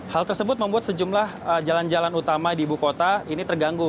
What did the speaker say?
hal tersebut membuat sejumlah jalan jalan utama di ibu kota ini terganggu